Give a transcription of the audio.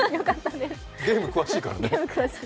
ゲーム詳しいからね。